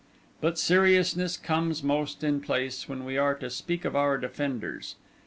But seriousness comes most in place when we are to speak of our defenders.